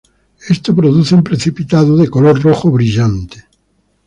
Esto produce un precipitado de color rojo brillante.